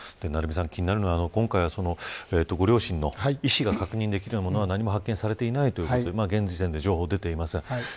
気になるのはご両親の意思が確認できるものが何も発見されていないと現時点で情報は出ていません。